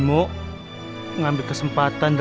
emang kamu ada escrip diumble